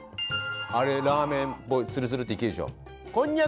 あれラーメンっぽいツルツルッていけるでしょ？